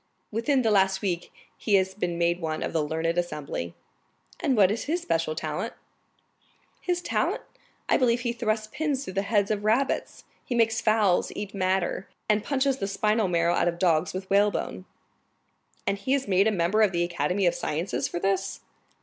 "Within the last week he has been made one of the learned assembly." "And what is his especial talent?" "His talent? I believe he thrusts pins through the heads of rabbits, he makes fowls eat madder, and punches the spinal marrow out of dogs with whalebone." "And he is made a member of the Academy of Sciences for this?"